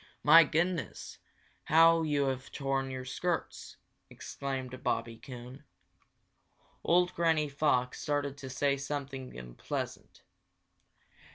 "My goodness, how you have torn your skirts!" exclaimed Bobby Coon. Old Granny Fox started to say something unpleasant.